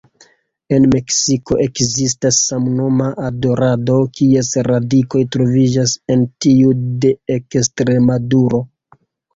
En Meksiko ekzistas samnoma adorado, kies radikoj troviĝas en tiu de Ekstremaduro.